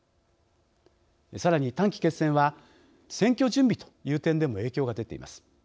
さらに、短期決戦は選挙準備という点でも影響がでています。